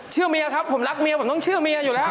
เชื่อเมียครับผมรักเมียผมต้องเชื่อเมียอยู่แล้ว